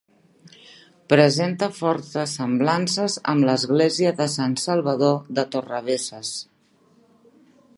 Presenta fortes semblances amb l'església de Sant Salvador de Torrebesses.